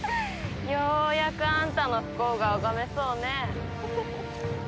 ようやくあんたの不幸が拝めそうね。